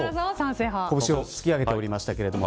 拳を突き上げておりましたけれども。